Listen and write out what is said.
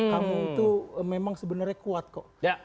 kamu tuh memang sebenernya kuat kok